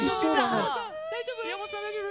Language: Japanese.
大丈夫？